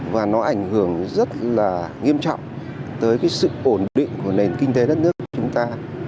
và nó ảnh hưởng rất là nghiêm trọng tới cái sự ổn định của nền kinh tế đất nước chúng ta